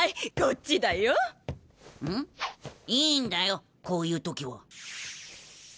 いいんだよこういうときは。